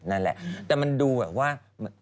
นั่นแหละแต่มันดูแบบว่า